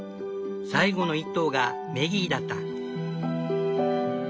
最後の１頭がメギーだった。